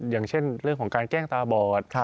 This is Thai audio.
อย่างเช่นเรื่องของการแกล้งตาบอด